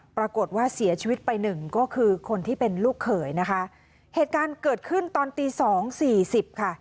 ปรากฏว่าเสียชีวิตไปหนึ่งก็คือคนที่เป็นลูกเขยนะคะเหตุการณ์เกิดขึ้นตอนตีสองสี่สิบค่ะ